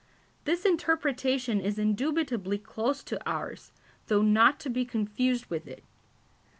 This interpretation is indubitably close to ours, though not to be confused with it.